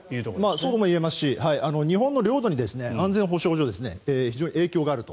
そうも言えますし日本の領土に安全保障上非常に影響があると。